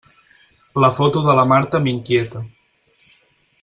La foto de la Marta m'inquieta.